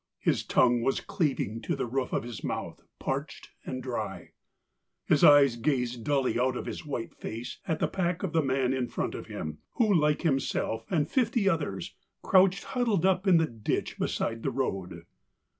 His tongue was cleaving to the roof of his mouth, parched and dry ; his eyes gazed dully out of his white face at the pack of the man in front of him, who, like himself and fifty others, crouched huddled up in the ditch beside the road.